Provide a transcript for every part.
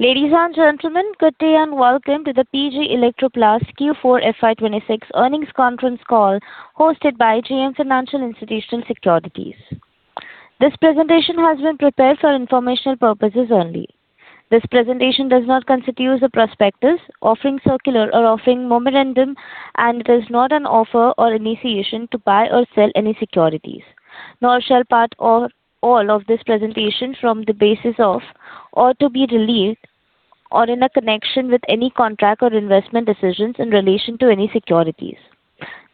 Ladies and gentlemen, good day and welcome to the PG Electroplast Q4 FY 2026 earnings conference call hosted by JM Financial Institutional Securities. This presentation has been prepared for informational purposes only. This presentation does not constitute a prospectus, offering circular or offering memorandum, and it is not an offer or initiation to buy or sell any securities. Nor shall part or all of this presentation form the basis of, or to be relied, or in a connection with any contract or investment decisions in relation to any securities.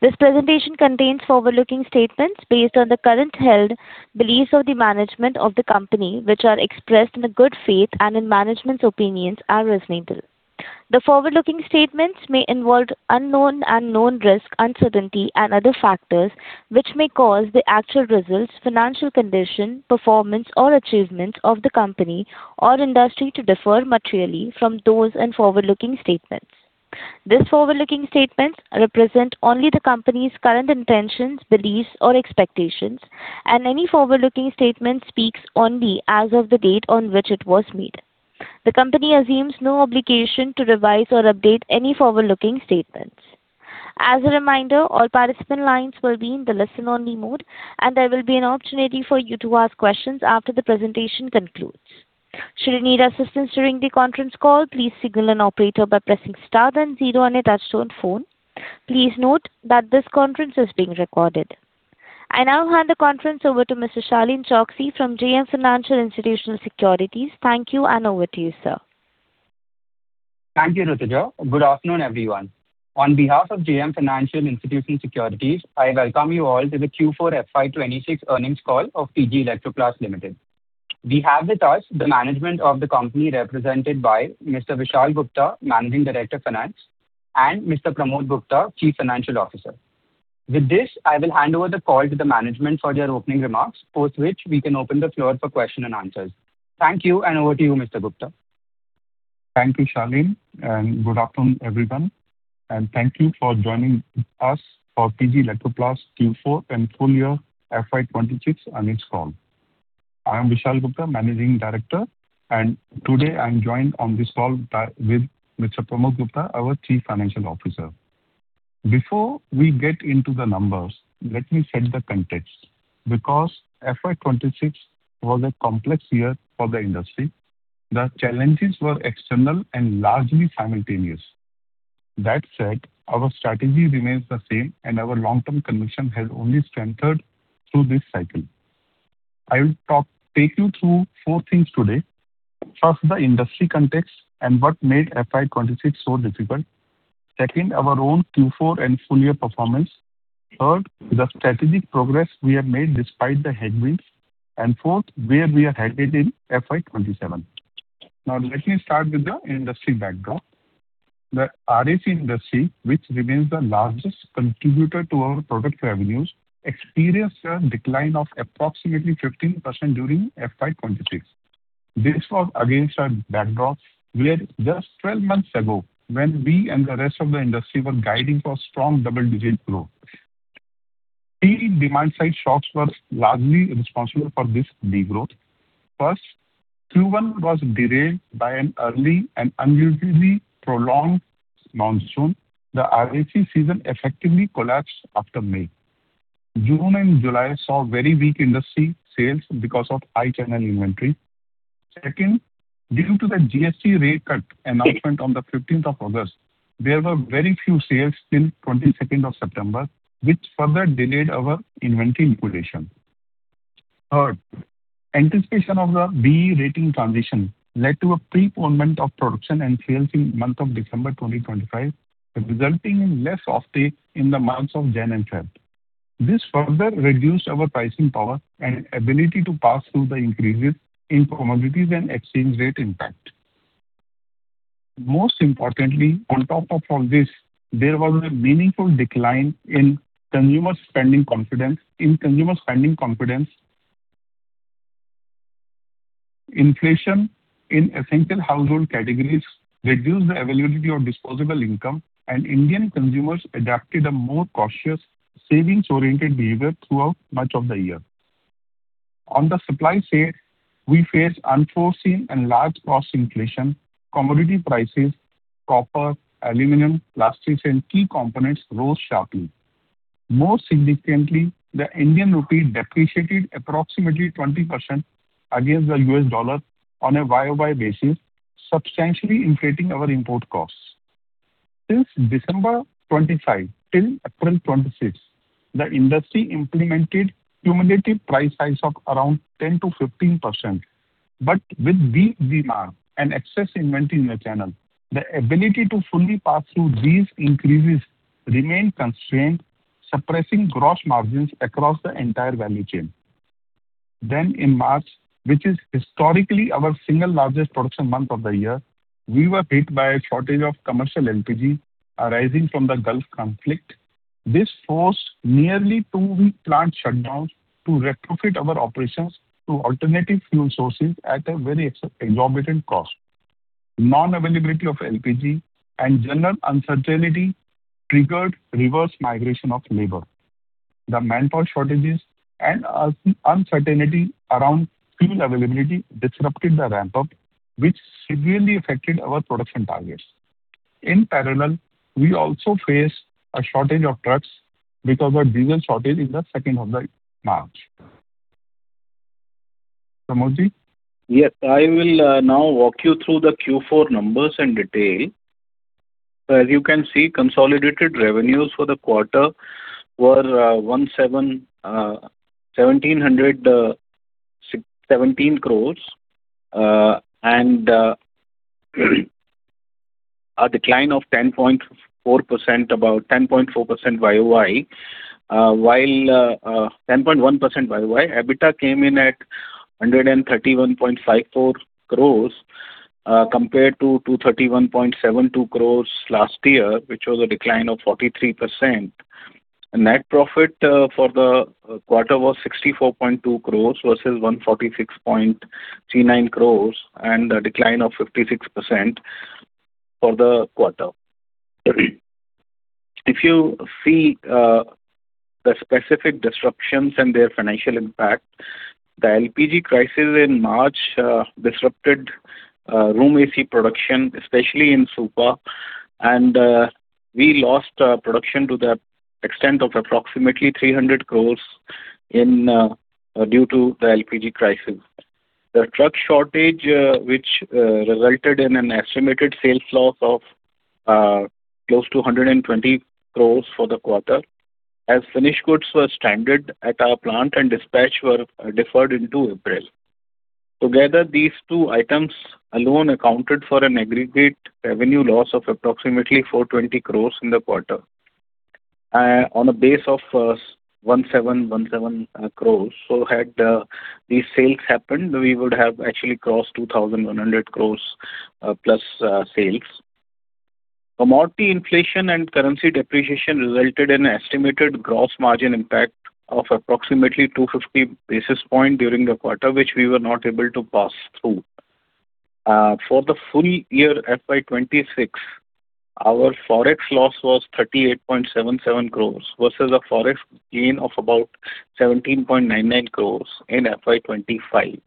This presentation contains forward-looking statements based on the current held beliefs of the management of the company, which are expressed in good faith and in management's opinions are reasonable. The forward-looking statements may involve unknown and known risk, uncertainty, and other factors which may cause the actual results, financial condition, performance, or achievements of the company or industry to differ materially from those in forward-looking statements. These forward-looking statements represent only the company's current intentions, beliefs, or expectations, and any forward-looking statement speaks only as of the date on which it was made. The company assumes no obligation to revise or update any forward-looking statements. As a reminder, all participant lines will be in the listen-only mode, and there will be an opportunity for you to ask questions after the presentation concludes. Should you need assistance during the conference call, please signal an operator by pressing star then zero on a touch-tone phone. Please note that this conference is being recorded. I now hand the conference over to Mr. Shalin Choksy from JM Financial Institutional Securities. Thank you, and over to you, sir. Thank you, Rutuja. Good afternoon, everyone. On behalf of JM Financial Institutional Securities, I welcome you all to the Q4 FY 2026 earnings call of PG Electroplast Limited. We have with us the management of the company, represented by Mr. Vishal Gupta, Managing Director, Finance, and Mr. Pramod Gupta, Chief Financial Officer. With this, I will hand over the call to the management for their opening remarks. Post which, we can open the floor for question and answers. Thank you, and over to you, Mr. Gupta. Thank you, Shalin. Good afternoon, everyone, and thank you for joining us for PG Electroplast Q4 and full year FY 2026 earnings call. I'm Vishal Gupta, Managing Director, and today I'm joined on this call with Mr. Pramod Gupta, our Chief Financial Officer. Before we get into the numbers, let me set the context. FY 2026 was a complex year for the industry. The challenges were external and largely simultaneous. That said, our strategy remains the same and our long-term conviction has only strengthened through this cycle. I will take you through four things today. First, the industry context and what made FY 2026 so difficult. Second, our own Q4 and full-year performance. Third, the strategic progress we have made despite the headwinds, and fourth, where we are headed in FY 2027. Let me start with the industry backdrop. The RAC industry, which remains the largest contributor to our product revenues, experienced a decline of approximately 15% during FY26. This was against a backdrop where just 12 months ago, when we and the rest of the industry were guiding for strong double-digit growth. Three demand-side shocks were largely responsible for this de-growth. First, Q1 was derailed by an early and unusually prolonged monsoon. The RAC season effectively collapsed after May. June and July saw very weak industry sales because of high channel inventory. Second, due to the GST rate cut announcement on the 15th of August, there were very few sales till 22nd of September, which further delayed our inventory liquidation. Third, anticipation of the BEE rating transition led to a pre-ponement of production and sales in the month of December 2025, resulting in less offtake in the months of Jan and Feb. This further reduced our pricing power and ability to pass through the increases in commodities and exchange rate impact. Most importantly, on top of all this, there was a meaningful decline in consumer spending confidence. Inflation in essential household categories reduced the availability of disposable income, and Indian consumers adapted a more cautious, savings-oriented behavior throughout much of the year. On the supply side, we faced unforeseen and large cost inflation. Commodity prices, copper, aluminum, plastics, and key components rose sharply. Most significantly, the Indian rupee depreciated approximately 20% against the US dollar on a YOY basis, substantially increasing our import costs. Since December 2025 till April 2026, the industry implemented cumulative price hikes of around 10%-15%. With weak demand and excess inventory in the channel, the ability to fully pass through these increases remained constrained, suppressing gross margins across the entire value chain. In March, which is historically our single largest production month of the year, we were hit by a shortage of commercial LPG arising from the Gulf conflict. This forced nearly two-week plant shutdowns to retrofit our operations to alternative fuel sources at a very exorbitant cost. Non-availability of LPG and general uncertainty triggered reverse migration of labor. The manpower shortages and uncertainty around fuel availability disrupted the ramp-up, which severely affected our production targets. We also faced a shortage of trucks because of a diesel shortage in the second half of March. Pramod? Yes. I will now walk you through the Q4 numbers in detail. As you can see, consolidated revenues for the quarter were 1,717 crores, and a decline of about 10.4% YOY. EBITDA came in at 131.54 crores, compared to 231.72 crores last year, which was a decline of 43%. The net profit for the quarter was 64.2 crores versus 146.39 crores, and a decline of 56% for the quarter. If you see the specific disruptions and their financial impact, the LPG crisis in March disrupted room AC production, especially in Supa, and we lost production to the extent of approximately 300 crores due to the LPG crisis. The truck shortage, which resulted in an estimated sales loss of close to 120 crores for the quarter, as finished goods were stranded at our plant and dispatch were deferred into April. Together, these two items alone accounted for an aggregate revenue loss of approximately 420 crores in the quarter on a base of 1,717 crores. Had these sales happened, we would have actually crossed 2,100 crores plus sales. Commodity inflation and currency depreciation resulted in an estimated gross margin impact of approximately 250 basis points during the quarter, which we were not able to pass through. For the full year FY 2026, our Forex loss was 38.77 crores versus a Forex gain of about 17.99 crores in FY 2025.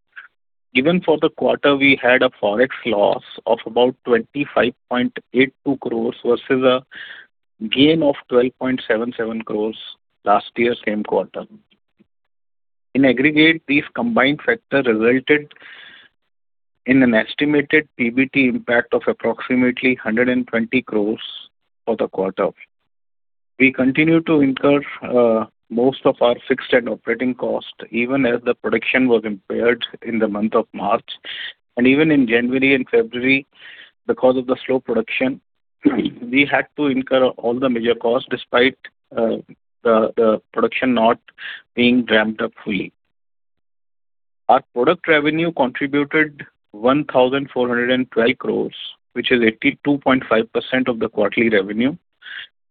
Even for the quarter, we had a Forex loss of about 25.82 crores versus a gain of 12.77 crores last year same quarter. In aggregate, these combined factors resulted in an estimated PBT impact of approximately 120 crores for the quarter. We continued to incur most of our fixed and operating costs, even as the production was impaired in the month of March. Even in January and February, because of the slow production, we had to incur all the major costs despite the production not being ramped up fully. Our product revenue contributed 1,412 crores, which is 82.5% of the quarterly revenue.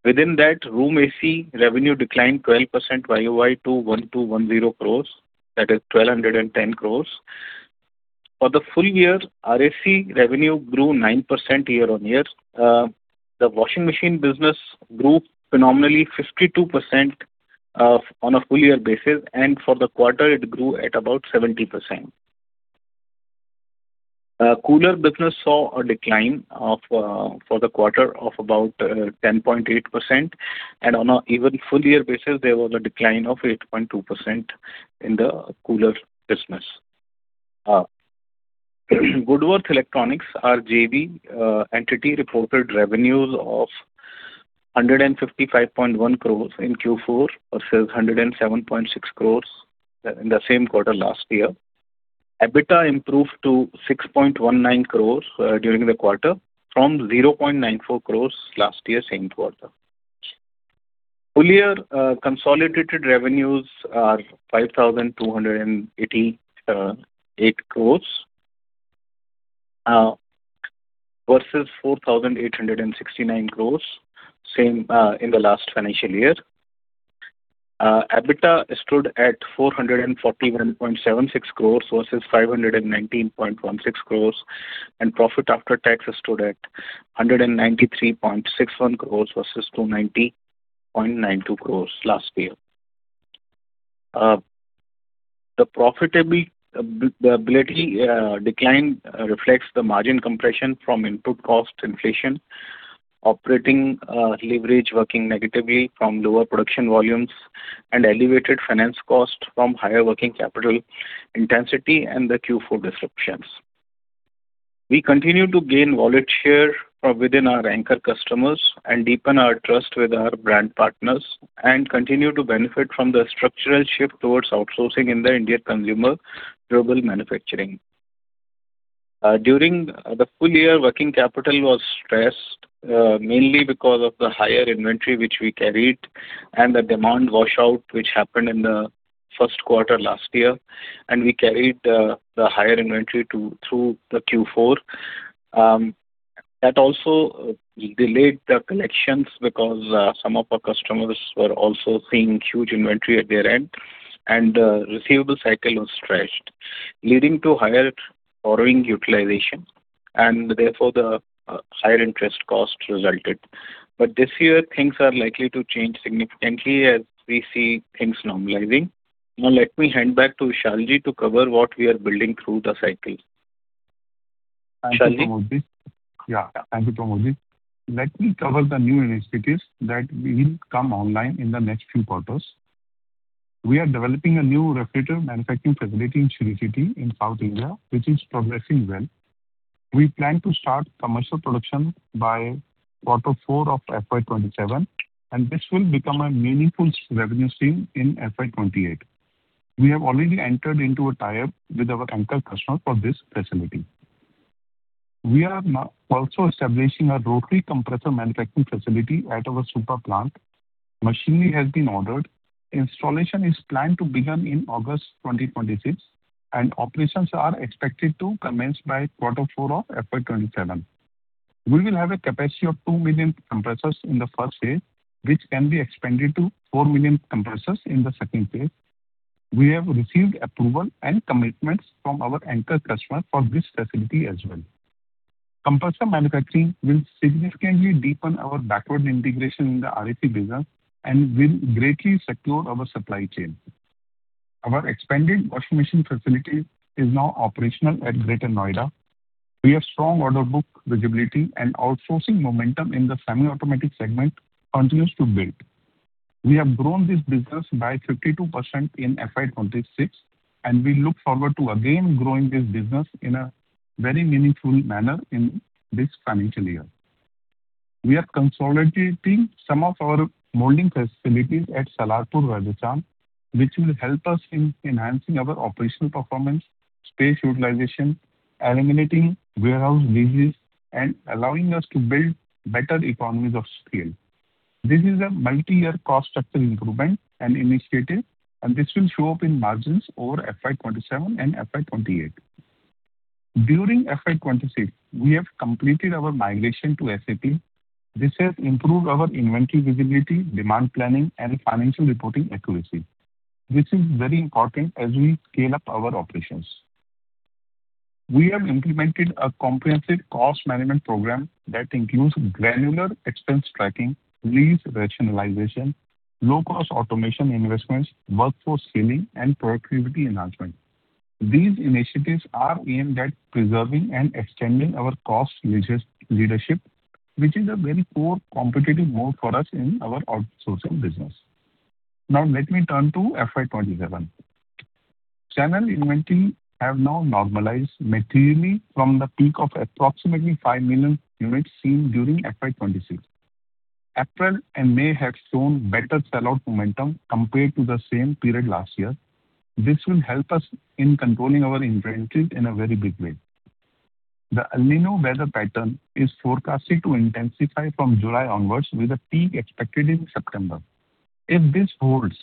Within that, room AC revenue declined 12% YOY to 1,210 crores, that is 1,210 crores. For the full year, RAC revenue grew 9% year-on-year. The washing machine business grew phenomenally 52% on a full-year basis, and for the quarter it grew at about 70%. Cooler business saw a decline for the quarter of about 10.8%, and on an even full-year basis, there was a decline of 8.2% in the cooler business. Goodworth Electronics, our JV entity, reported revenues of 155.1 crores in Q4 versus 107.6 crores in the same quarter last year. EBITDA improved to 6.19 crores during the quarter from 0.94 crores last year same quarter. Full year consolidated revenues are 5,288 crores, versus 4,869 crores same in the last financial year. EBITDA stood at 441.76 crores versus 519.16 crores, and profit after tax stood at 193.61 crores versus 290.92 crores last year. The profitability decline reflects the margin compression from input cost inflation, operating leverage working negatively from lower production volumes, and elevated finance cost from higher working capital intensity and the Q4 disruptions. We continue to gain wallet share from within our anchor customers and deepen our trust with our brand partners, and continue to benefit from the structural shift towards outsourcing in the Indian consumer durable manufacturing. During the full year, working capital was stressed, mainly because of the higher inventory which we carried and the demand washout, which happened in the first quarter last year, and we carried the higher inventory through the Q4. That also delayed the collections because some of our customers were also seeing huge inventory at their end, and the receivable cycle was stretched, leading to higher borrowing utilization, and therefore, the higher interest costs resulted. This year, things are likely to change significantly as we see things normalizing. Now let me hand back to Vishal Gupta to cover what we are building through the cycle. Vishal Gupta. Yeah. Thank you, Pramod. Let me cover the new initiatives that will come online in the next few quarters. We are developing a new refrigerator manufacturing facility in Sri City in South India, which is progressing well. We plan to start commercial production by quarter four of FY 2027, and this will become a meaningful revenue stream in FY 2028. We have already entered into a tie-up with our anchor customer for this facility. We are now also establishing a rotary compressor manufacturing facility at our Supa Plant. Machinery has been ordered. Installation is planned to begin in August 2026, and operations are expected to commence by quarter four of FY 2027. We will have a capacity of 2 million compressors in the first phase, which can be expanded to 4 million compressors in the second phase. We have received approval and commitments from our anchor customer for this facility as well. Compressor manufacturing will significantly deepen our backward integration in the RAC business and will greatly secure our supply chain. Our expanded washing machine facility is now operational at Greater Noida. We have strong order book visibility and outsourcing momentum in the semi-automatic segment continues to build. We have grown this business by 52% in FY 2026, and we look forward to again growing this business in a very meaningful manner in this financial year. We are consolidating some of our molding facilities at Salarpur, Raichur, which will help us in enhancing our operational performance, space utilization, eliminating warehouse leases, and allowing us to build better economies of scale. This is a multi-year cost structure improvement and initiative, and this will show up in margins over FY 2027 and FY 2028. During FY 2026, we have completed our migration to SAP. This has improved our inventory visibility, demand planning, and financial reporting accuracy. This is very important as we scale up our operations. We have implemented a comprehensive cost management program that includes granular expense tracking, lease rationalization, low-cost automation investments, workforce scaling, and productivity enhancement. These initiatives are aimed at preserving and extending our cost leadership, which is a very core competitive moat for us in our outsourcing business. Let me turn to FY27. Channel inventory have now normalized materially from the peak of approximately 5 million units seen during FY26. April and May have shown better sell-out momentum compared to the same period last year. This will help us in controlling our inventories in a very big way. The El Niño weather pattern is forecasted to intensify from July onwards, with a peak expected in September. If this holds,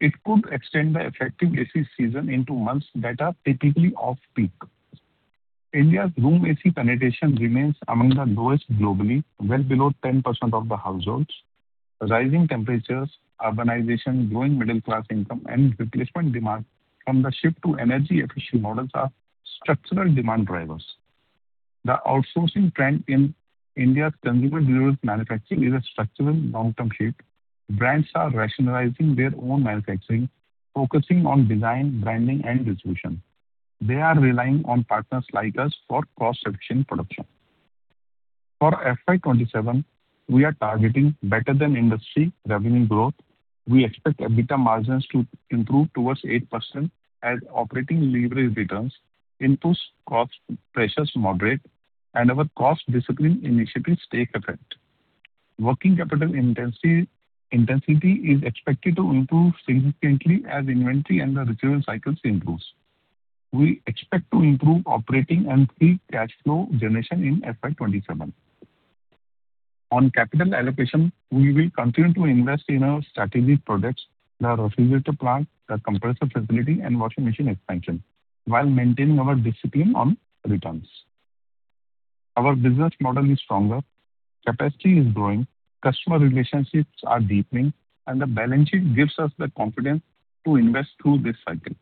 it could extend the effective AC season into months that are typically off-peak. India's room AC penetration remains among the lowest globally, well below 10% of the households. Rising temperatures, urbanization, growing middle class income, and replacement demand from the shift to energy efficient models are structural demand drivers. The outsourcing trend in India's consumer durables manufacturing is a structural long-term shift. Brands are rationalizing their own manufacturing, focusing on design, branding, and distribution. They are relying on partners like us for cost-efficient production. For FY 2027, we are targeting better than industry revenue growth. We expect EBITDA margins to improve towards 8% as operating leverage returns, input cost pressures moderate, and our cost discipline initiatives take effect. Working capital intensity is expected to improve significantly as inventory and the return cycles improves. We expect to improve operating and free cash flow generation in FY 2027. On capital allocation, we will continue to invest in our strategic products, the Refrigerator plant, the compressor facility, and washing machine expansion while maintaining our discipline on returns. Our business model is stronger, capacity is growing, customer relationships are deepening, and the balance sheet gives us the confidence to invest through this cycle.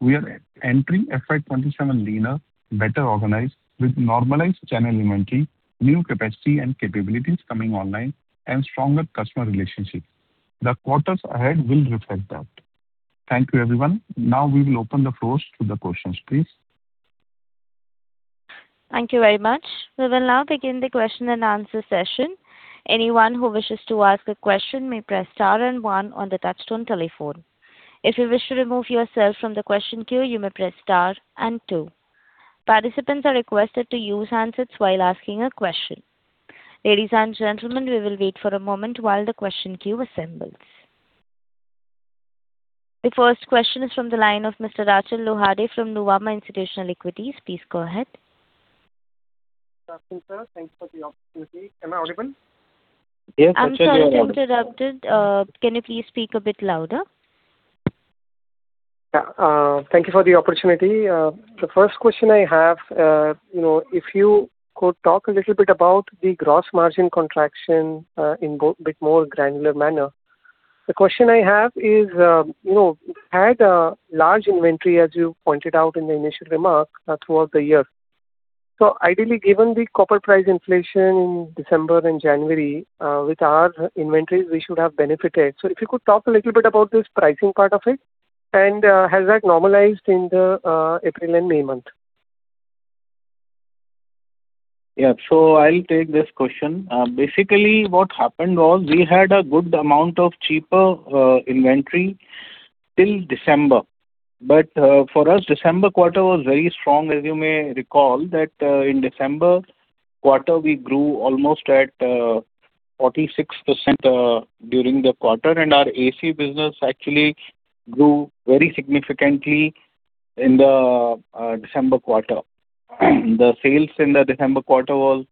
We are entering FY 2027 leaner, better organized, with normalized channel inventory, new capacity and capabilities coming online, and stronger customer relationships. The quarters ahead will reflect that. Thank you, everyone. Now we will open the floors to the questions, please. Thank you very much. We will now begin the question-and-answer session. Anyone who wishes to ask a question may press star and one on the touchtone telephone. If you wish to remove yourself from the question queue, you may press star and two. Participants are requested to use handsets while asking a question. Ladies and gentlemen, we will wait for a moment while the question queue assembles. The first question is from the line of Mr. Achal Lohade from Nuvama Institutional Equities. Please go ahead. Good afternoon, sir. Thanks for the opportunity. Am I audible? Yes- I'm sorry to have interrupted. Can you please speak a bit louder? Yeah. Thank you for the opportunity. The first question I have, if you could talk a little bit about the gross margin contraction in a bit more granular manner. The question I have is, you had a large inventory, as you pointed out in the initial remarks throughout the year. Ideally, given the copper price inflation in December and January, with our inventories, we should have benefited. If you could talk a little bit about this pricing part of it, and has that normalized in the April and May month? I'll take this question. Basically, what happened was we had a good amount of cheaper inventory till December. For us, December quarter was very strong. As you may recall that in December quarter, we grew almost at 46% during the quarter, and our AC business actually grew very significantly in the December quarter. The sales in the December quarter was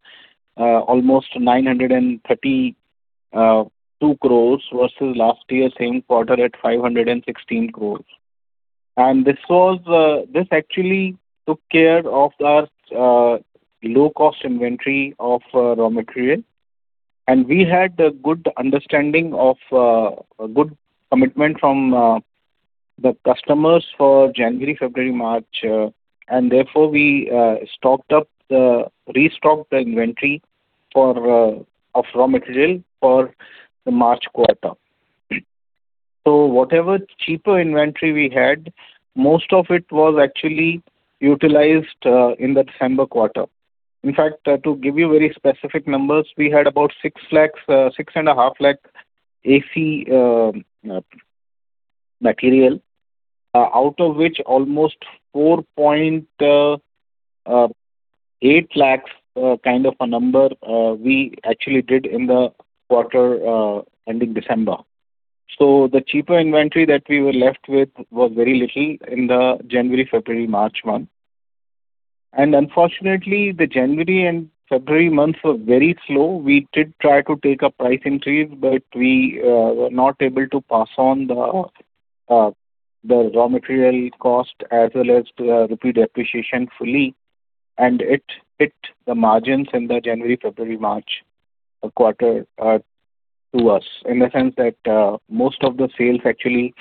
almost 932 crores versus last year same quarter at 516 crores. This actually took care of our low-cost inventory of raw material. We had a good understanding of a good commitment from the customers for January, February, March. Therefore, we restocked the inventory of raw material for the March quarter. Whatever cheaper inventory we had, most of it was actually utilized in the December quarter. In fact, to give you very specific numbers, we had about 6.5 lakh AC material, out of which almost 4.8 lakhs, kind of a number we actually did in the quarter ending December. The cheaper inventory that we were left with was very little in the January, February, March month. Unfortunately, the January and February months were very slow. We did try to take a price increase, but we were not able to pass on the raw material cost as well as the rupee depreciation fully, and it hit the margins in the January, February, March quarter to us, in the sense that most of the sales actually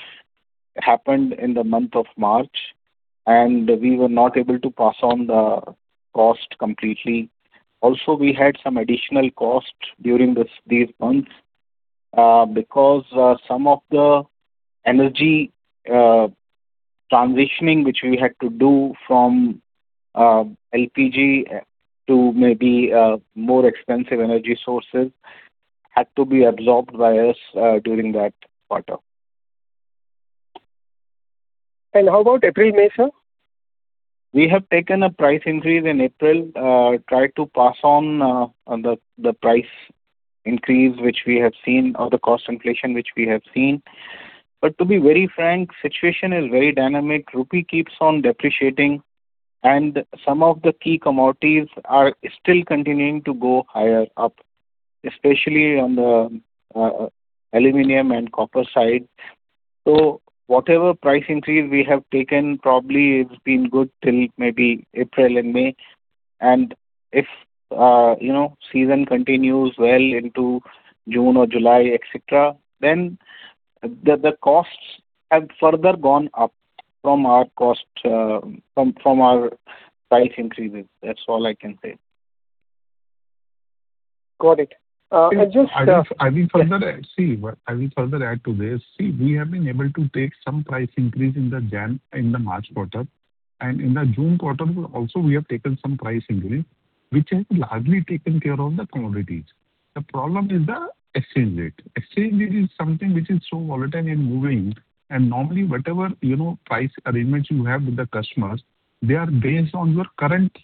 happened in the month of March, and we were not able to pass on the cost completely. We had some additional cost during these months because some of the energy transitioning, which we had to do from LPG to maybe more expensive energy sources, had to be absorbed by us during that quarter. How about April, May, sir? We have taken a price increase in April, tried to pass on the price increase, which we have seen, or the cost inflation, which we have seen. To be very frank, situation is very dynamic. INR keeps on depreciating and some of the key commodities are still continuing to go higher up, especially on the aluminum and copper side. Whatever price increase we have taken, probably it's been good till maybe April and May. If season continues well into June or July, et cetera, the costs have further gone up from our price increases. That's all I can say. Got it. I will further add to this. See, we have been able to take some price increase in the March quarter, and in the June quarter also, we have taken some price increase, which has largely taken care of the commodities. The problem is the exchange rate. Exchange rate is something which is so volatile and moving, normally whatever price arrangements you have with the customers, they are based on your current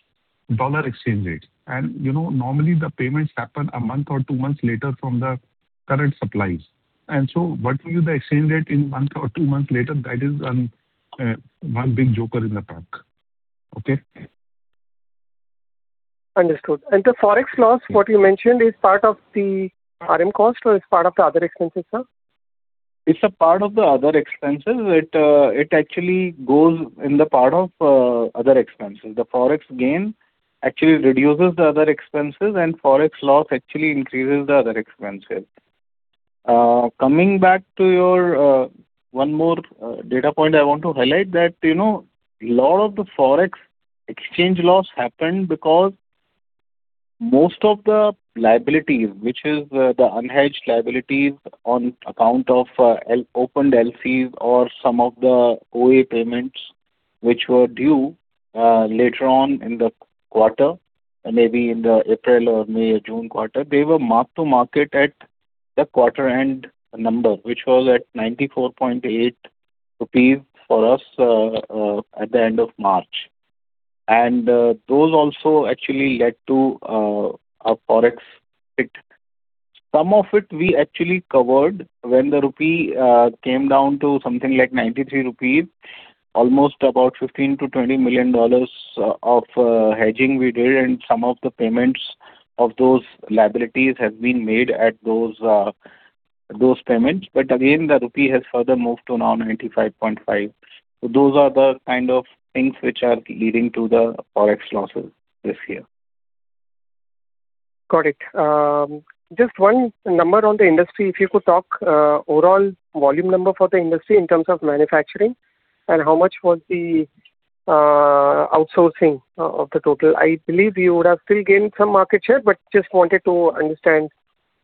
dollar exchange rate. Normally the payments happen a month or two months later from the current supplies. So what will be the exchange rate in month or two months later, that is one big joker in the pack. Understood. The Forex loss, what you mentioned is part of the RM cost or it's part of the other expenses, sir? It's a part of the other expenses. It actually goes in the part of other expenses. The Forex gain actually reduces the other expenses, and Forex loss actually increases the other expenses. Coming back to your one more data point I want to highlight that a lot of the Forex exchange loss happened because most of the liabilities, which is the unhedged liabilities on account of opened LCs or some of the OA payments which were due later on in the quarter, maybe in the April or May or June quarter, they were mark-to-market at the quarter end number, which was at 94.8 rupees for us at the end of March. Those also actually led to a Forex hit. Some of it we actually covered when the rupee came down to something like 93 rupees, almost about INR 15 million-INR 20 million of hedging we did, and some of the payments of those liabilities have been made at those payments. Again, the rupee has further moved to now 95.5. Those are the kind of things which are leading to the Forex losses this year. Got it. Just one number on the industry, if you could talk overall volume number for the industry in terms of manufacturing and how much was the outsourcing of the total? I believe you would have still gained some market share, but just wanted to understand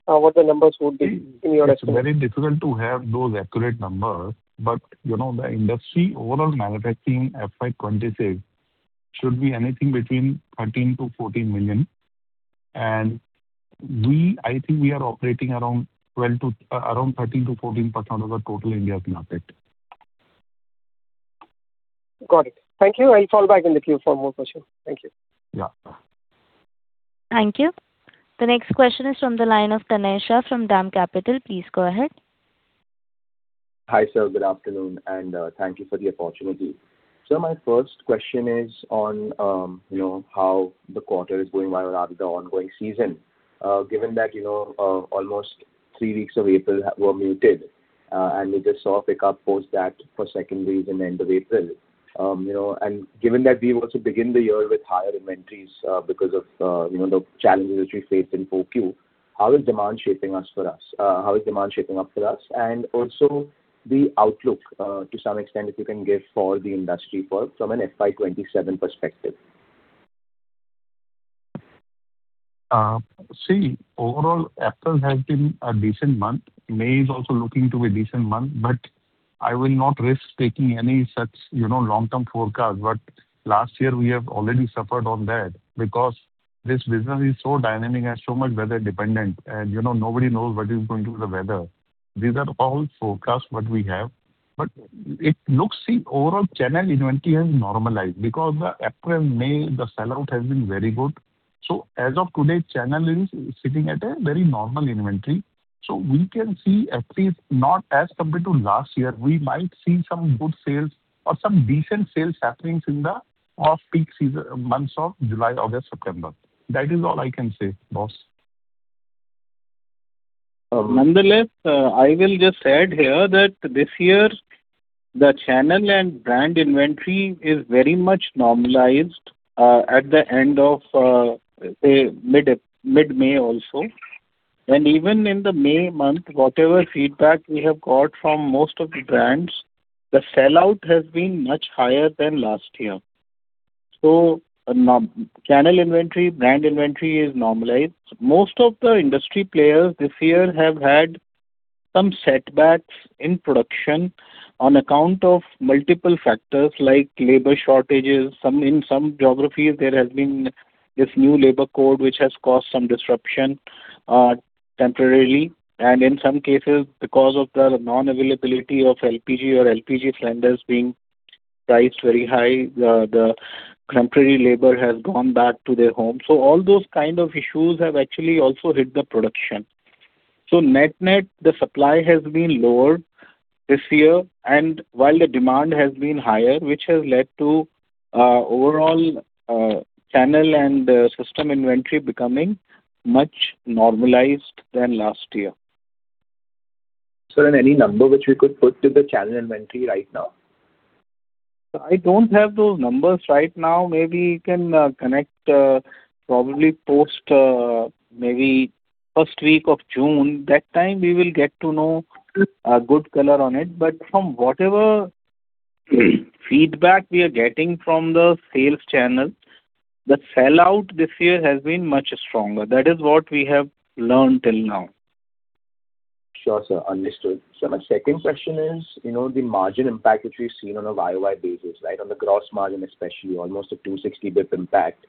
what the numbers would be in your estimate? It's very difficult to have those accurate numbers. The industry overall manufacturing FY 2026 should be anything between 13 million-14 million. I think we are operating around 13%-14% of the total India's market. Got it. Thank you. I'll fall back in the queue for more questions. Thank you. Yeah. Thank you. The next question is from the line of Tanay Shah from DAM Capital. Please go ahead. Hi, sir. Good afternoon, and thank you for the opportunity. Sir, my first question is on how the quarter is going well rather the ongoing season. Given that almost three weeks of April were muted, and we just saw a pickup post that for second week and end of April. Given that we also begin the year with higher inventories because of the challenges which we faced in Q4, how is demand shaping up for us? Also the outlook, to some extent, if you can give for the industry from an FY 2027 perspective. Overall April has been a decent month. May is also looking to be a decent month, but I will not risk taking any such long-term forecast. Last year we have already suffered on that because this business is so dynamic and so much weather dependent, and nobody knows what is going to the weather. These are all forecasts, what we have. Overall channel inventory has normalized because the April, May, the sellout has been very good. As of today, channel is sitting at a very normal inventory. We can see at least not as compared to last year. We might see some good sales or some decent sales happenings in the off-peak months of July, August, September. That is all I can say, boss. Nonetheless, I will just add here that this year the channel and brand inventory is very much normalized at the end of mid-May also. Even in the May month, whatever feedback we have got from most of the brands, the sellout has been much higher than last year. Channel inventory, brand inventory is normalized. Most of the industry players this year have had some setbacks in production on account of multiple factors like labor shortages. In some geographies, there has been this new labor code, which has caused some disruption temporarily and in some cases, because of the non-availability of LPG or LPG cylinders being priced very high, the temporary labor has gone back to their home. All those kind of issues have actually also hit the production. Net-net, the supply has been lower this year and while the demand has been higher, which has led to overall channel and system inventory becoming much normalized than last year. Sir, any number which we could put to the channel inventory right now? I don't have those numbers right now. Maybe you can connect probably post maybe first week of June. That time we will get to know a good color on it. From whatever feedback we are getting from the sales channel, the sellout this year has been much stronger. That is what we have learned till now. Sure, sir. Understood. Sir, my second question is the margin impact which we've seen on a YOY basis. On the gross margin especially, almost a 260 basis points impact.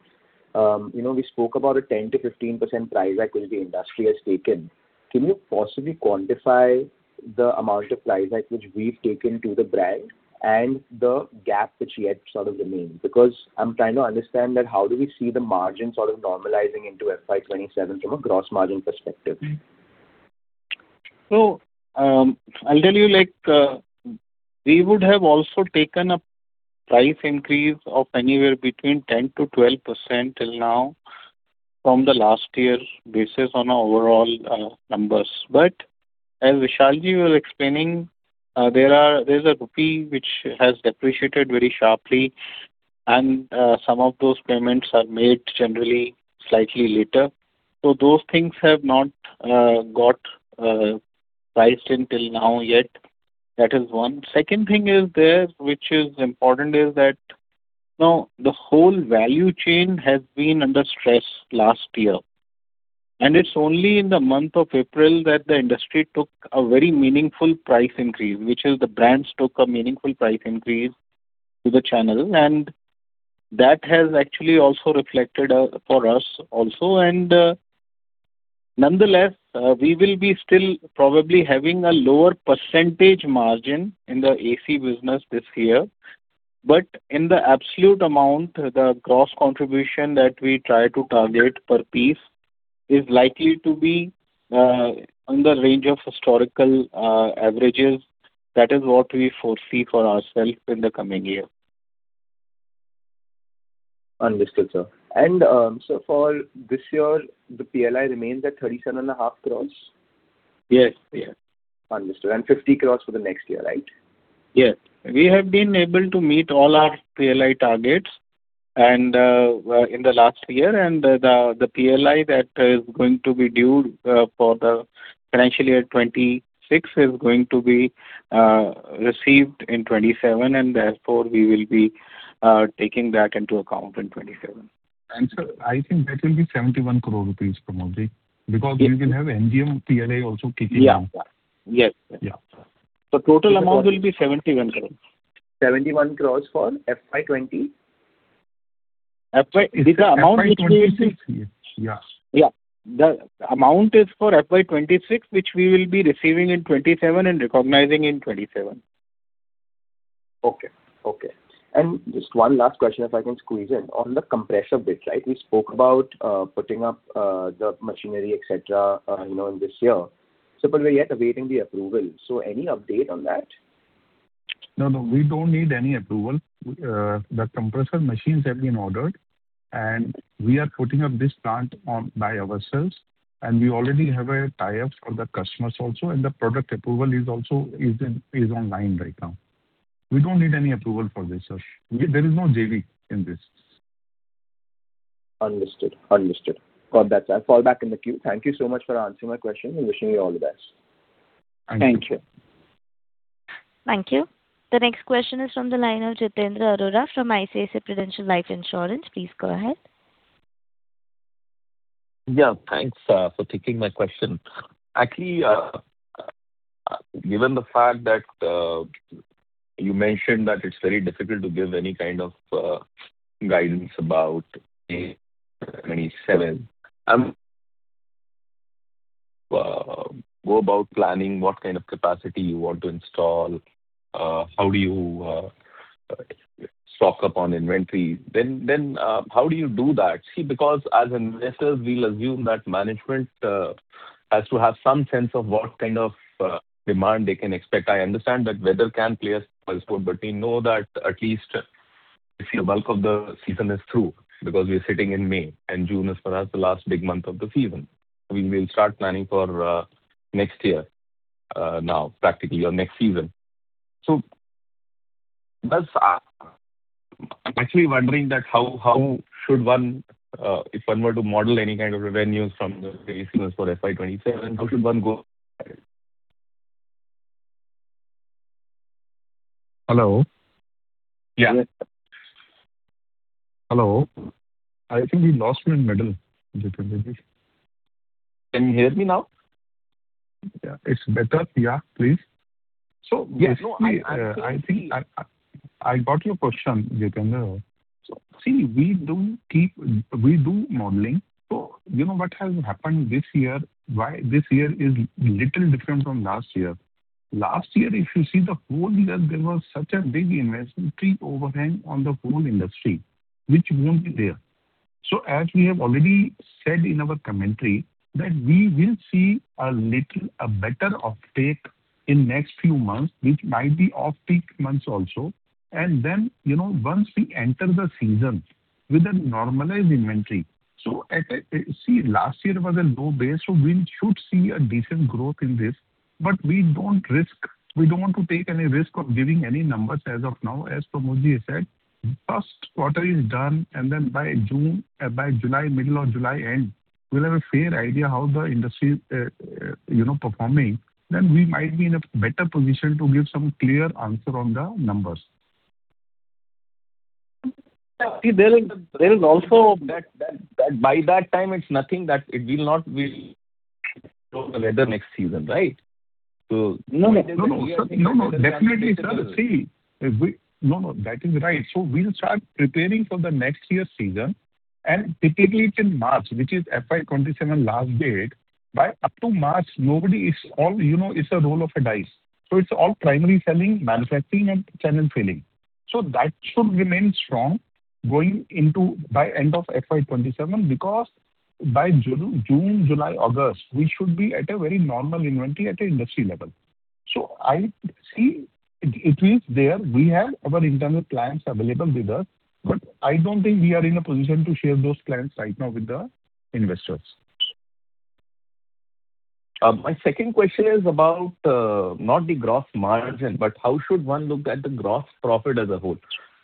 We spoke about a 10%-15% price hike which the industry has taken. Can you possibly quantify the amount of price hike which we've taken to the brand and the gap which yet sort of remains? Because I'm trying to understand that how do we see the margin sort of normalizing into FY 2027 from a gross margin perspective? I'll tell you like, we would have also taken a price increase of anywhere between 10%-12% till now from the last year basis on our overall numbers. As Vishal ji was explaining, there's a rupee which has depreciated very sharply, and some of those payments are made generally slightly later. Those things have not got priced in till now yet. That is one. Second thing is there, which is important is that now the whole value chain has been under stress last year, and it's only in the month of April that the industry took a very meaningful price increase, which is the brands took a meaningful price increase to the channel, and that has actually also reflected for us also. Nonetheless, we will be still probably having a lower percentage margin in the AC business this year. In the absolute amount, the gross contribution that we try to target per piece is likely to be in the range of historical averages. That is what we foresee for ourselves in the coming year. Understood, sir. Sir, for this year, the PLI remains at 37.5 crores. Yes. Understood. 50 crores for the next year, right? Yes. We have been able to meet all our PLI targets in the last year. The PLI that is going to be due for the financial year 2026 is going to be received in 2027. Therefore, we will be taking that into account in 2027. Sir, I think that will be 71 crore rupees, Pramod, because we will have NGM + PLI also kicking in. Yeah. Yes. Yeah. Total amount will be 71 crores. 71 crore for FY 2020? The amount. FY 2026 year. Yes. Yeah. The amount is for FY 2026, which we will be receiving in 2027 and recognizing in 2027. Okay. Just one last question if I can squeeze in. On the compressor bit. We spoke about putting up the machinery, et cetera, in this year. We're yet awaiting the approval. Any update on that? No, we don't need any approval. The compressor machines have been ordered, and we are putting up this plant by ourselves, and we already have tie-ups for the customers also, and the product approval is also online right now. We don't need any approval for this, sir. There is no JV in this. Understood. Got that, sir. I'll fall back in the queue. Thank you so much for answering my question and wishing you all the best. Thank you. Thank you. Thank you. The next question is from the line of Jitendra Arora from ICICI Prudential Life Insurance. Please go ahead. Yeah. Thanks for taking my question. Actually, given the fact that you mentioned that it's very difficult to give any kind of guidance about FY 2027, go about planning what kind of capacity you want to install, how do you stock up on inventory, then how do you do that? See, because as investors, we'll assume that management has to have some sense of what kind of demand they can expect. I understand that weather can play a spoilsport, but we know that at least the bulk of the season is through, because we're sitting in May, and June is perhaps the last big month of the season. We will start planning for next year now, practically, or next season. I'm actually wondering how should one, if one were to model any kind of revenues from the season for FY 2027, how should one go about it? Hello? Yeah. Hello? I think we lost you in middle, Jitendra ji. Can you hear me now? Yeah. It's better. Yeah, please. So- No, I think I got your question, Jitendra. See, we do modeling. You know what has happened this year, why this year is little different from last year. Last year, if you see the whole year, there was such a big inventory overhang on the whole industry, which won't be there. As we have already said in our commentary, that we will see a better uptake in next few months, which might be off-peak months also. Once we enter the season with a normalized inventory. See, last year was a low base, we should see a decent growth in this. We don't want to take any risk of giving any numbers as of now. As Pramod said, first quarter is done, and then by June, by July, middle of July end, we'll have a fair idea how the industry is performing, then we might be in a better position to give some clear answer on the numbers. See, by that time it's nothing that it will not be the weather next season, right? No, definitely, sir. That is right. We'll start preparing for the next year's season, and typically it's in March, which is FY 2027 last date, but up to March, it's a roll of a dice. It's all primary selling, manufacturing, and channel filling. That should remain strong going into by end of FY 2027, because by June, July, August, we should be at a very normal inventory at an industry level. It is there. We have our internal plans available with us, but I don't think we are in a position to share those plans right now with the investors. My second question is about, not the gross margin, but how should one look at the gross profit as a whole?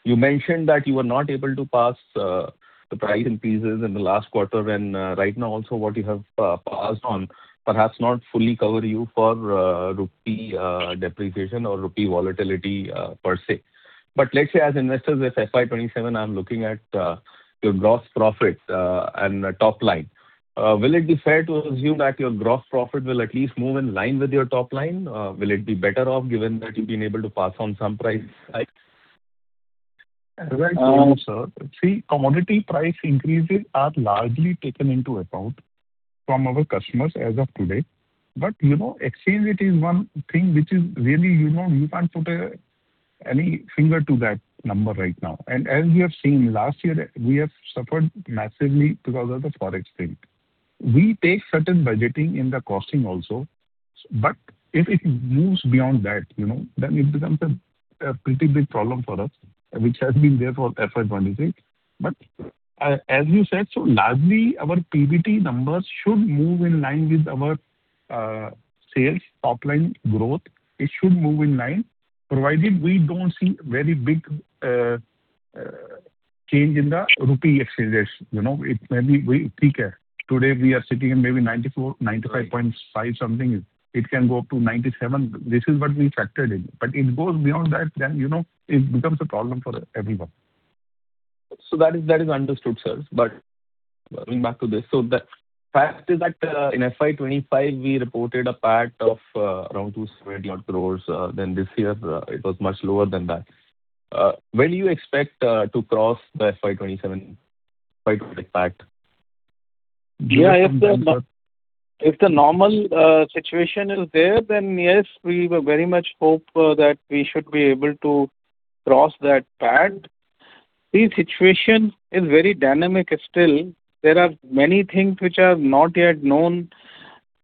You mentioned that you were not able to pass the price increases in the last quarter, and right now also what you have passed on perhaps not fully cover you for rupee depreciation or rupee volatility per se. Let's say as investors, if FY27 I'm looking at your gross profit and top line, will it be fair to assume that your gross profit will at least move in line with your top line? Will it be better off given that you've been able to pass on some price hikes? As I told you, sir, commodity price increases are largely taken into account from our customers as of today. Exchange rate is one thing which is really, you can't put any finger to that number right now. As we have seen last year, we have suffered massively because of the forex thing. We take certain budgeting in the costing also, but if it moves beyond that, then it becomes a pretty big problem for us, which has been there for FY 2026. As you said, largely our PBT numbers should move in line with our sales top line growth. It should move in line, provided we don't see very big change in the rupee exchanges. Today we are sitting in maybe 94, 95.5 something. It can go up to 97. This is what we factored in. It goes beyond that, then it becomes a problem for everyone. That is understood, sir. Going back to this, the fact is that in FY 2025, we reported a PAT of around 270 odd crores. This year, it was much lower than that. When do you expect to cross the FY 202? If the normal situation is there, then yes, we very much hope that we should be able to cross that PAT. The situation is very dynamic still. There are many things which are not yet known.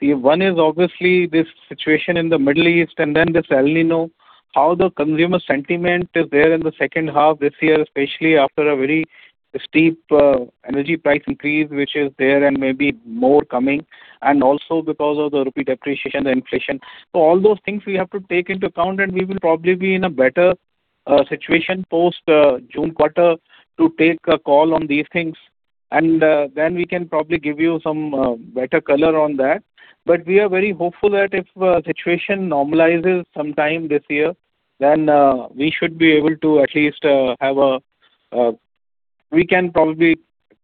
One is obviously this situation in the Middle East, and then this El Niño, how the consumer sentiment is there in the second half this year, especially after a very steep energy price increase, which is there and maybe more coming, and also because of the rupee depreciation, the inflation. All those things we have to take into account, and we will probably be in a better situation post June quarter to take a call on these things, and then we can probably give you some better color on that. We are very hopeful that if the situation normalizes sometime this year, then we can probably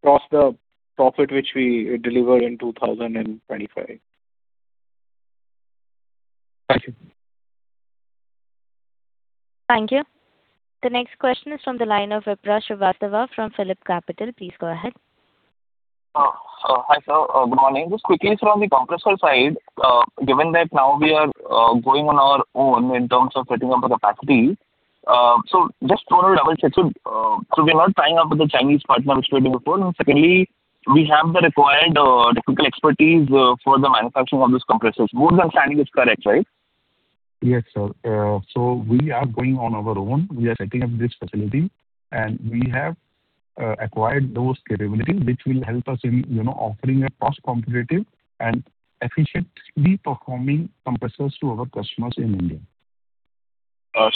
cross the profit which we delivered in 2025. Thank you. Thank you. The next question is from the line of Vipraw Srivastava from PhillipCapital. Please go ahead. Hi, sir. Good morning. Just quickly from the compressor side, given that now we are going on our own in terms of setting up the capacity. Just to double-check, so we're not tying up with the Chinese partners we had before. Secondly, we have the required technical expertise for the manufacturing of these compressors. Both my understanding is correct, right? Yes, sir. We are going on our own. We are setting up this facility, and we have acquired those capabilities which will help us in offering a cost-competitive and efficiently performing compressors to our customers in India.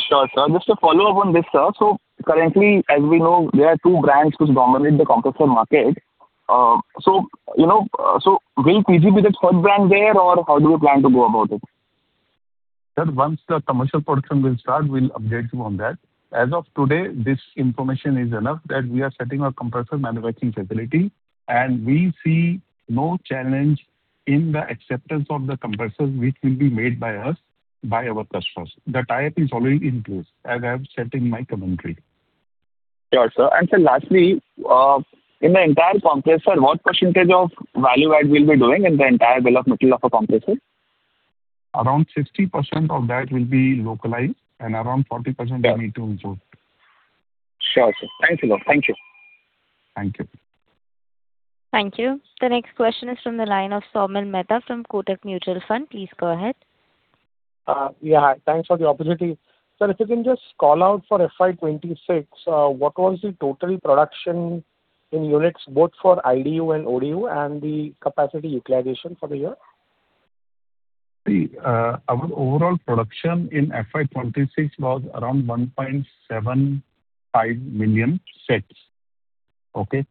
Sure, sir. Just to follow up on this, sir. Currently, as we know, there are two brands which dominate the compressor market. Will PG be the third brand there, or how do you plan to go about it? Sir, once the commercial production will start, we will update you on that. As of today, this information is enough that we are setting our compressor manufacturing facility, and we see no challenge in the acceptance of the compressors which will be made by us, by our customers. The tie-up is already in place, as I have said in my commentary. Sure, sir. Sir, lastly, in the entire compressor, what percentage of value add we'll be doing in the entire development of a compressor? Around 60% of that will be localized and around 40% will be to import. Sure, sir. Thank you. Thank you. Thank you. The next question is from the line of Saumil Mehta from Kotak Mutual Fund. Please go ahead. Yeah. Thanks for the opportunity. Sir, if you can just call out for FY 2026, what was the total production in units, both for IDU and ODU, and the capacity utilization for the year? Our overall production in FY 2026 was around 1.75 million sets. Okay.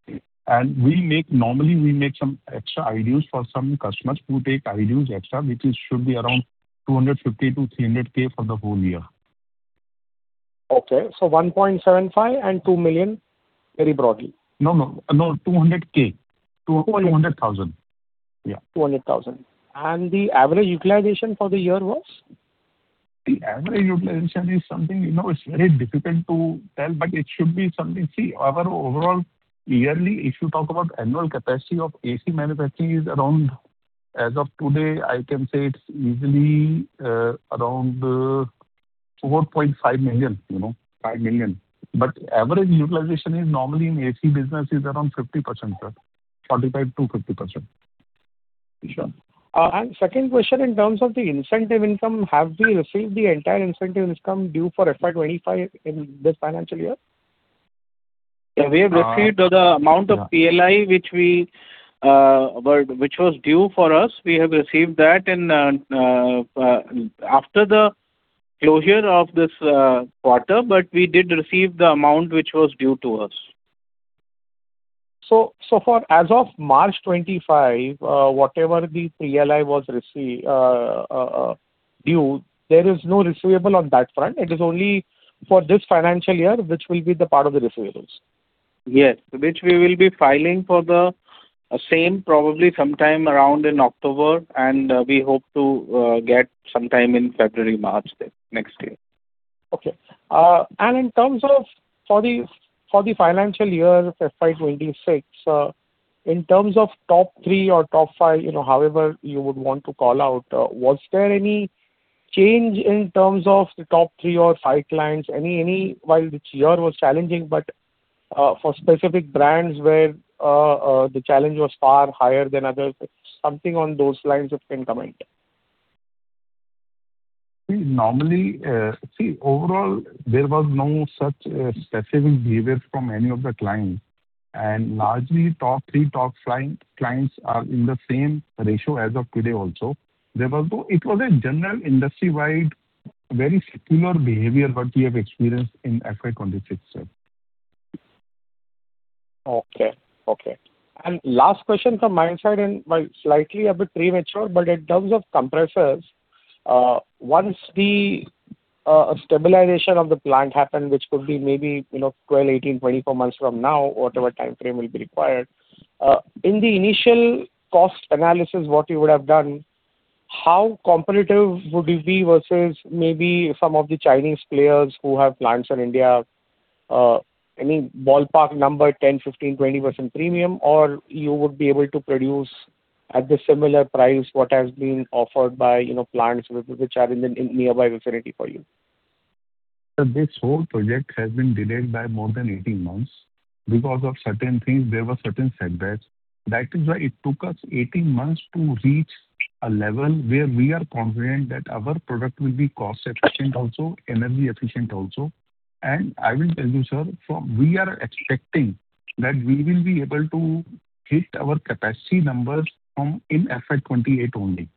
Normally we make some extra IDUs for some customers who take IDUs extra, which should be around 250,000-300,000 for the whole year. Okay. 1.75 million and two million, very broadly. No, 200k. 200,000. Yeah. 200,000. The average utilization for the year was? The average utilization is something, it's very difficult to tell, but it should be something. See, our overall yearly, if you talk about annual capacity of AC manufacturing is around, as of today, I can say it's easily around 4.5 million. Average utilization normally in AC business is around 50%, sir. 45%-50%. Sure. Second question, in terms of the incentive income, have we received the entire incentive income due for FY 2025 in this financial year? We have received the amount of PLI which was due for us. We have received that after the closure of this quarter, but we did receive the amount which was due to us. For as of March 2025, whatever the PLI was due, there is no receivable on that front. It is only for this financial year, which will be the part of the receivables. Yes. Which we will be filing for the same, probably sometime around in October, and we hope to get sometime in February, March next year. Okay. For the financial year of FY 2026, in terms of top three or top five, however you would want to call out, was there any change in terms of the top three or five clients? While this year was challenging, for specific brands where the challenge was far higher than others. Something on those lines, if you can comment. See, overall, there was no such specific behavior from any of the clients. Largely, top three clients are in the same ratio as of today also. It was a general industry-wide, very similar behavior what we have experienced in FY 2026 itself. Okay. Last question from my side, and slightly a bit premature, but in terms of compressors, once the stabilization of the plant happened, which could be maybe 12, 18, 24 months from now, whatever timeframe will be required. In the initial cost analysis, what you would have done, how competitive would you be versus maybe some of the Chinese players who have plants in India? Any ballpark number, 10%, 15%, 20% premium, or you would be able to produce at the similar price what has been offered by plants which are in the nearby vicinity for you? Sir, this whole project has been delayed by more than 18 months because of certain things. There were certain setbacks. That is why it took us 18 months to reach a level where we are confident that our product will be cost efficient also, energy efficient also. I will tell you, sir, we are expecting that we will be able to hit our capacity numbers in FY 2028 only.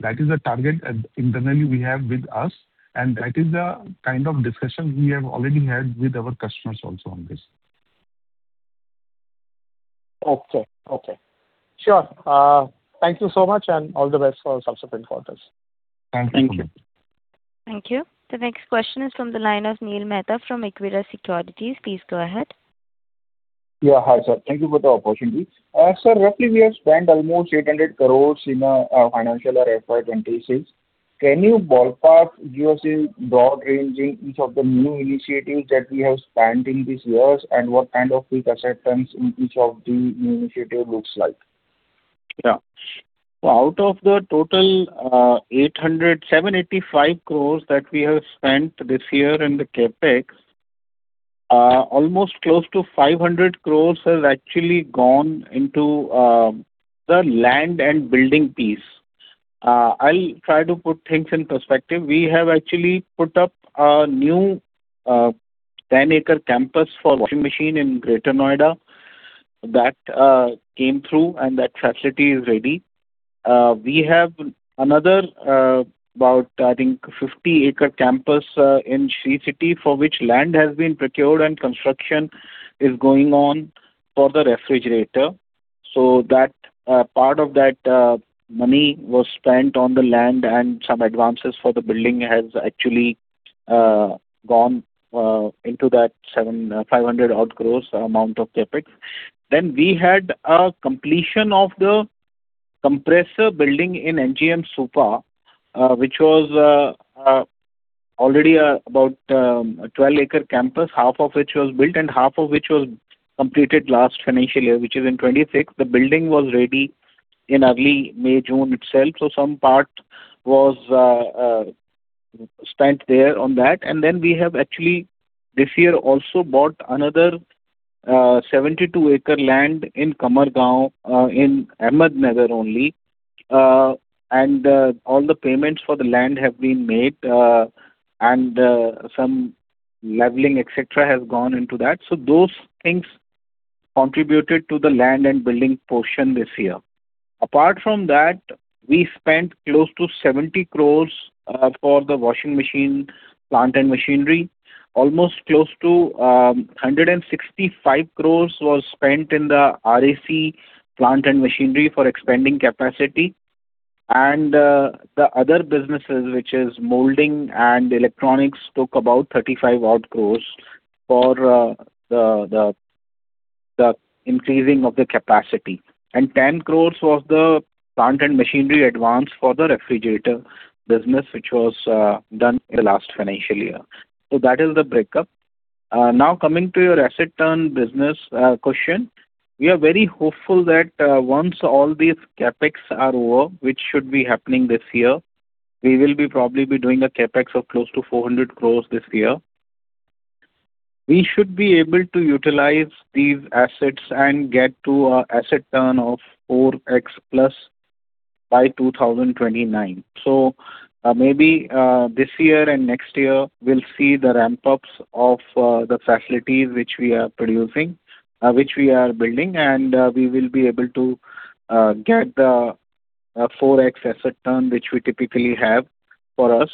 That is the target internally we have with us, that is the kind of discussion we have already had with our customers also on this. Okay. Sure. Thank you so much, and all the best for subsequent quarters. Thank you. Thank you. The next question is from the line of Neel Mehta from Equirus Securities. Please go ahead. Yeah. Hi, sir. Thank you for the opportunity. Sir, roughly we have spent almost 800 crore in our financial or FY 2026. Can you ballpark give us a broad range in each of the new initiatives that we have spent in these years, and what kind of quick acceptance in each of the initiative looks like? Yeah. Out of the total 785 crore that we have spent this year in the CapEx, almost close to 500 crore has actually gone into the land and building piece. I'll try to put things in perspective. We have actually put up a new 10-acre campus for washing machine in Greater Noida. That came through, and that facility is ready. We have another, about, I think, 50-acre campus in Sri City for which land has been procured and construction is going on for the Refrigerator. That part of that money was spent on the land and some advances for the building has actually gone into that 500-odd crore amount of CapEx. We had a completion of the compressor building in MIDC Supa which was already about a 12-acre campus, half of which was built and half of which was completed last financial year, which is in FY 2026. The building was ready in early May, June itself. Some part was spent there on that. We have actually this year also bought another 72-acre land in Kamargaon, in Ahmednagar only. All the payments for the land have been made, and some leveling, et cetera, has gone into that. Those things contributed to the land and building portion this year. Apart from that, we spent close to 70 crores for the washing machine plant and machinery. Almost close to 165 crores was spent in the RAC plant and machinery for expanding capacity. The other businesses, which is molding and electronics, took about 35-odd crores for the increasing of the capacity. 10 crores was the plant and machinery advance for the refrigerator business, which was done in the last financial year. That is the breakup. Coming to your asset turn business question. We are very hopeful that once all these CapEx are over, which should be happening this year, we will probably be doing a CapEx of close to 400 crore this year. We should be able to utilize these assets and get to our asset turn of 4x plus by 2029. Maybe this year and next year, we'll see the ramp-ups of the facilities which we are building, and we will be able to get the 4x asset turn, which we typically have for us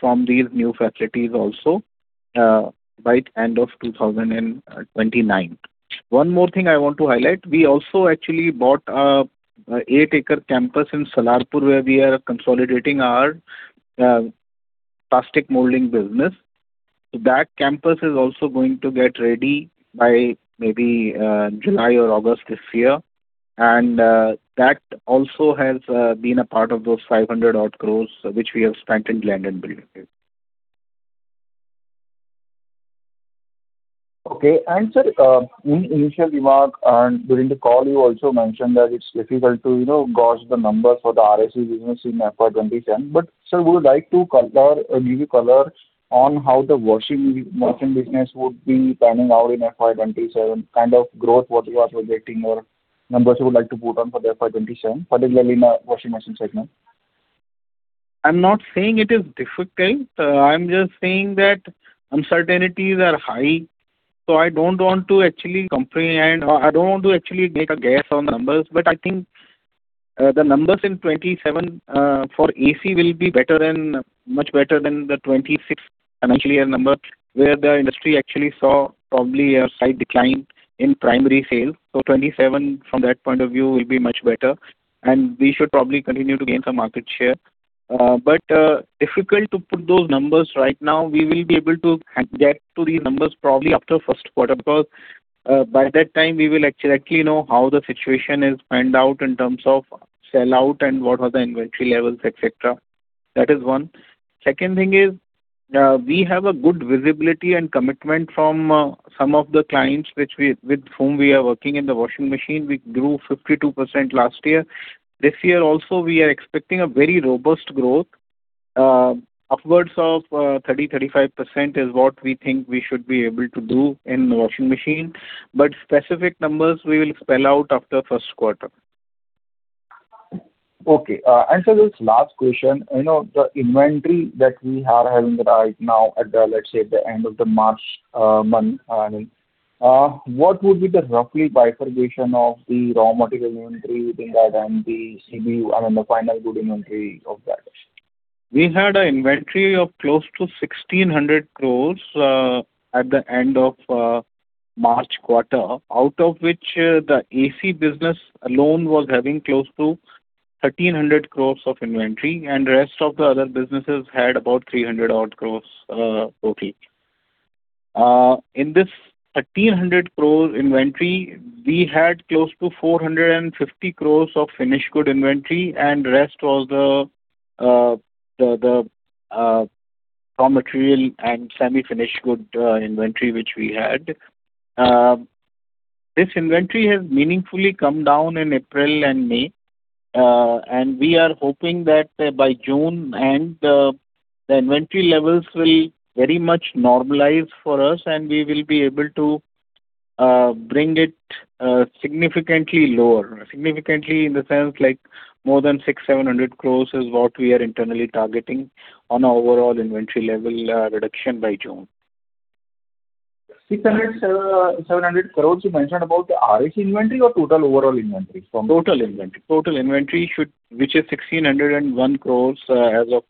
from these new facilities also, by end of 2029. One more thing I want to highlight, we also actually bought an eight-acre campus in Salarpur where we are consolidating our plastic molding business. That campus is also going to get ready by maybe July or August this year, and that also has been a part of those 500-odd crore which we have spent in land and building. Okay. Sir, in initial remark and during the call, you also mentioned that it's difficult to gauge the number for the RAC business in FY 2027. Sir, would you like to give a color on how the washing machine business would be panning out in FY 2027, kind of growth what you are projecting or numbers you would like to put on for the FY 2027, particularly in the Washing Machine segment? I'm not saying it is difficult. I'm just saying that uncertainties are high. I don't want to actually make a guess on numbers, but I think the numbers in 2027 for AC will be much better than the 2026 financial year number, where the industry actually saw probably a slight decline in primary sales. 2027, from that point of view, will be much better, and we should probably continue to gain some market share. Difficult to put those numbers right now. We will be able to get to the numbers probably after first quarter, because by that time we will actually know how the situation is panned out in terms of sell out and what are the inventory levels, et cetera. That is one. Second thing is, we have a good visibility and commitment from some of the clients with whom we are working in the washing machines. We grew 52% last year. This year also, we are expecting a very robust growth. Upwards of 30%, 35% is what we think we should be able to do in the washing machines, but specific numbers we will spell out after first quarter. Okay. Sir, this last question. The inventory that we are having right now at the, let's say, at the end of the March month, what would be the roughly bifurcation of the raw material inventory within that and the CBU and then the final good inventory of that? We had an inventory of close to 1,600 crore at the end of March quarter. Out of which the AC business alone was having close to 1,300 crore of inventory, rest of the other businesses had about 300 crore odd total. In this 1,300 crore inventory, we had close to 450 crore of finished good inventory, rest was the raw material and semi-finished good inventory which we had. This inventory has meaningfully come down in April and May. We are hoping that by June end, the inventory levels will very much normalize for us, and we will be able to bring it significantly lower. Significantly in the sense like more than 600 crore-700 crore is what we are internally targeting on overall inventory level reduction by June. 600 crore, 700 crore, you mentioned about the RAC inventory or total overall inventory. Total inventory, which is INR 1,601 crores as of,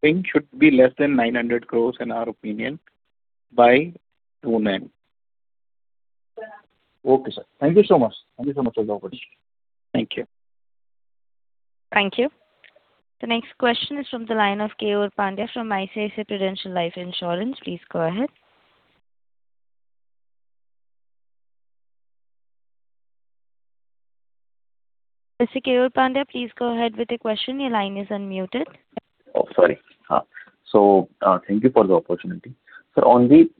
think should be less than INR 900 crores in our opinion by June end. Okay, sir. Thank you so much. Thank you so much for the opportunity. Thank you. Thank you. The next question is from the line of Keyur Pandya from ICICI Prudential Life Insurance. Please go ahead. Mr. Keyur Pandya, please go ahead with the question. Your line is unmuted. Oh, sorry. Thank you for the opportunity. Sir, on the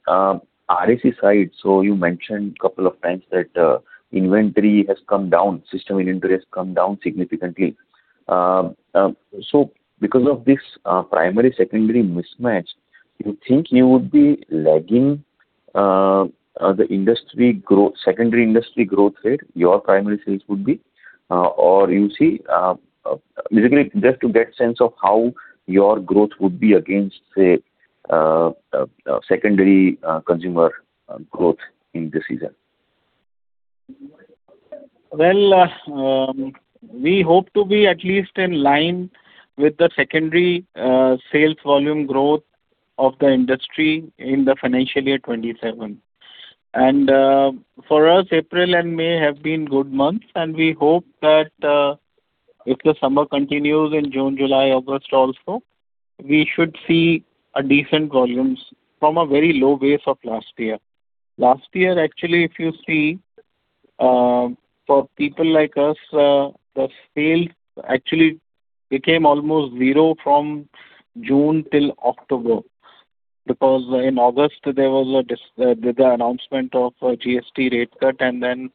RAC side, you mentioned couple of times that inventory has come down, system inventory has come down significantly. Because of this primary/secondary mismatch, you think you would be lagging the secondary industry growth rate, your primary sales would be? Basically just to get sense of how your growth would be against, say, secondary consumer growth in this season. Well, we hope to be at least in line with the secondary sales volume growth of the industry in the financial year 2027. For us, April and May have been good months, and we hope that if the summer continues in June, July, August also, we should see a decent volumes from a very low base of last year. Last year, actually, if you see, for people like us, the sales actually became almost zero from June till October because in August there was the announcement of a GST rate cut and then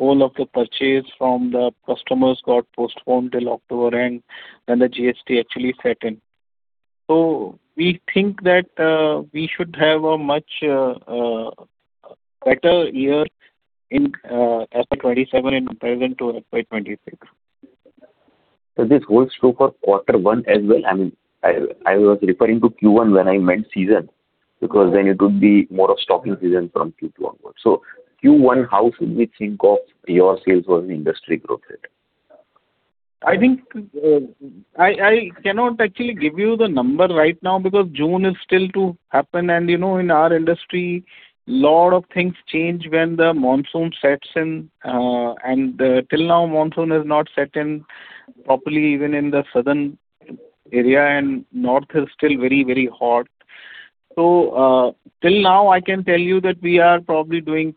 all of the purchase from the customers got postponed till October end when the GST actually set in. We think that we should have a much better year in FY 2027 in comparison to FY 2026. Does this hold true for quarter one as well? I was referring to Q1 when I meant season, because then it would be more of stocking season from Q2 onwards. Q1, how should we think of your sales versus industry growth rate? I cannot actually give you the number right now because June is still to happen and in our industry, lot of things change when the monsoon sets in. Till now, monsoon has not set in properly even in the southern area, and north is still very hot. Till now I can tell you that we are probably doing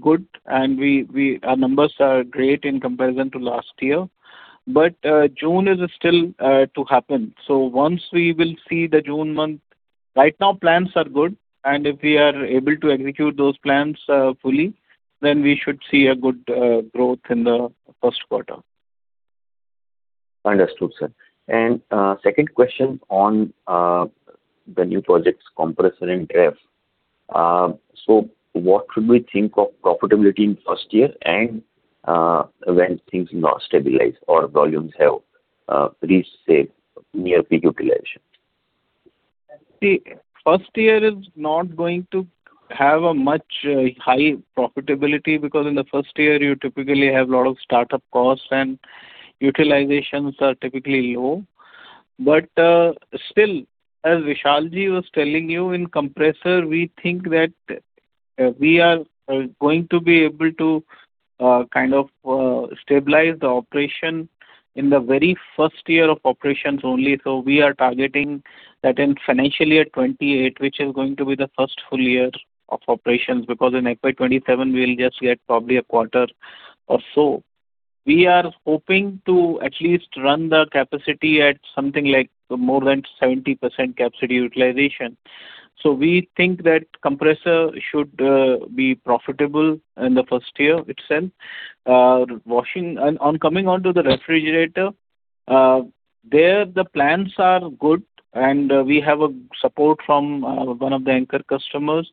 good and our numbers are great in comparison to last year. June is still to happen. Right now, plans are good and if we are able to execute those plans fully, then we should see a good growth in the first quarter. Understood, sir. Second question on the new projects, compressor and ref. What should we think of profitability in first year and when things now stabilize or volumes have reached, say, near peak utilization? First year is not going to have a much high profitability, because in the first year you typically have a lot of startup costs and utilizations are typically low. Still, as Vishal was telling you, in compressor, we think that we are going to be able to kind of stabilize the operation in the very first year of operations only. We are targeting that in financial year 2028, which is going to be the first full year of operations, because in FY 2027 we'll just get probably a quarter or so. We are hoping to at least run the capacity at something like more than 70% capacity utilization. We think that compressor should be profitable in the first year itself. Coming on to the Refrigerator, there the plans are good, we have a support from one of the anchor customers,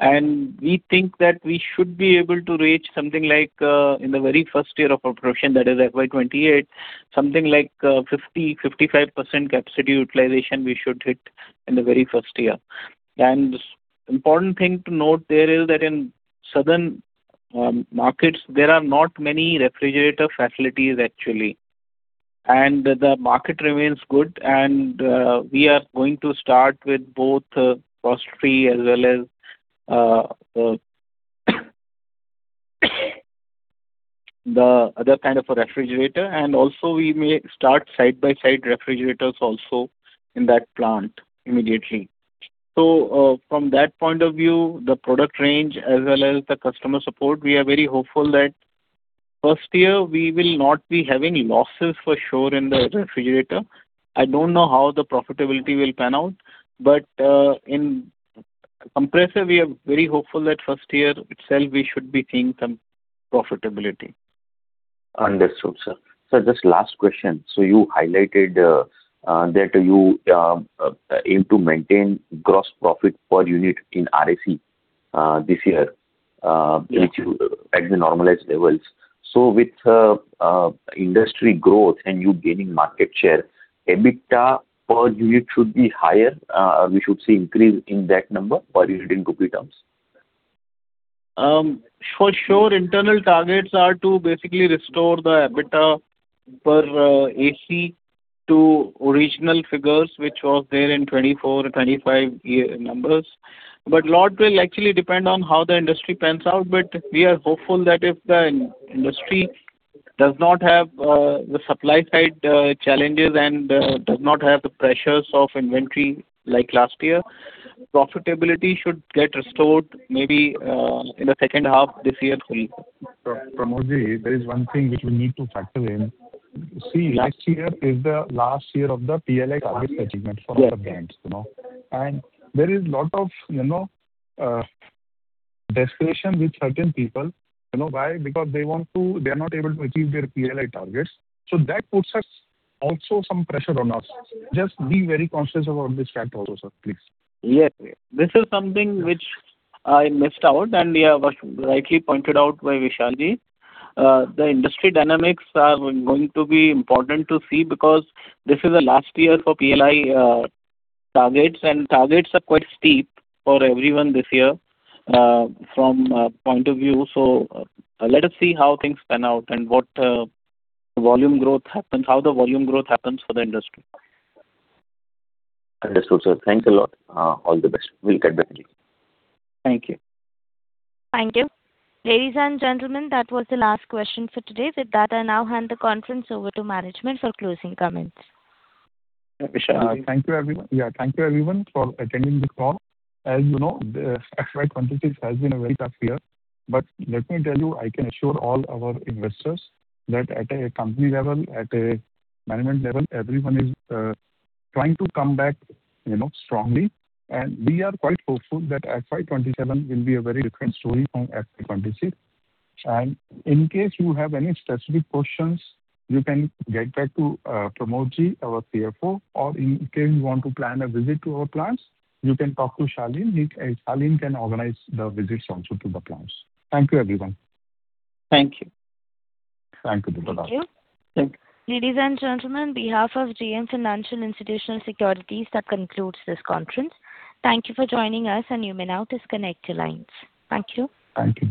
we think that we should be able to reach something like, in the very first year of operation, that is FY28, something like 50-55% capacity utilization we should hit in the very first year. Important thing to note there is that in certain markets, there are not many Refrigerator facilities actually. The market remains good and we are going to start with both Frost Free as well as the other kind of a Refrigerator. Also we may start Side-by-side Refrigerators also in that plant immediately. From that point of view, the product range as well as the customer support, we are very hopeful that first year we will not be having losses for sure in the Refrigerator. I don't know how the profitability will pan out, but in compressor, we are very hopeful that first year itself we should be seeing some profitability. Understood, sir. Sir, just last question. You highlighted that you aim to maintain gross profit per unit in RAC this year. Yes at the normalized levels. With industry growth and you gaining market share, EBITDA per unit should be higher? We should see increase in that number per unit in INR terms? For sure, internal targets are to basically restore the EBITDA per AC to original figures, which was there in FY 2024 or FY 2025 year numbers. Lot will actually depend on how the industry pans out. We are hopeful that if the industry does not have the supply side challenges and does not have the pressures of inventory like last year, profitability should get restored maybe in the second half this year. Pramod, there is one thing which we need to factor in. See, last year is the last year of the PLI target achievement for other brands. Yes. There is lot of desperation with certain people. You know why? Because they are not able to achieve their PLI targets. That puts also some pressure on us. Just be very conscious about this fact also, sir, please. Yes. This is something which I missed out and was rightly pointed out by Vishal Gupta. The industry dynamics are going to be important to see because this is the last year for PLI targets, and targets are quite steep for everyone this year from our point of view. Let us see how things pan out and how the volume growth happens for the industry. Understood, sir. Thanks a lot. All the best. Will get back to you. Thank you. Thank you. Ladies and gentlemen, that was the last question for today. With that, I now hand the conference over to management for closing comments. Thank you, everyone for attending this call. As you know, FY 2026 has been a very tough year. Let me tell you, I can assure all our investors that at a company level, at a management level, everyone is trying to come back strongly. We are quite hopeful that FY 2027 will be a very different story from FY 2026. In case you have any specific questions, you can get back to Pramod, our CFO. In case you want to plan a visit to our plants, you can talk to Shalin. Shalin can organize the visits also to the plants. Thank you, everyone. Thank you. Thank you. Bye-bye. Thank you. Thank you. Ladies and gentlemen, on behalf of JM Financial Institutional Securities, that concludes this conference. Thank you for joining us, and you may now disconnect your lines. Thank you. Thank you.